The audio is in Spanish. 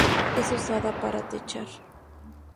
Es usada para techar.